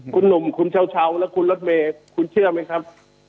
คุณหนุ่มคุณเช้าและคุณรถเมย์คุณเชื่อไหมครับ